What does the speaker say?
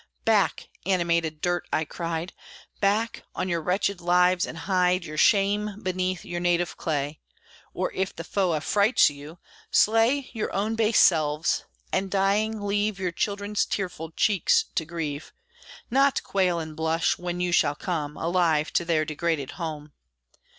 "Back, animated dirt!" I cried, "Back, on your wretched lives, and hide Your shame beneath your native clay! Or if the foe affrights you, slay Your own base selves; and, dying, leave Your children's tearful cheeks to grieve, Not quail and blush, when you shall come, Alive, to their degraded home!